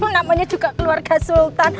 namanya juga keluarga sultan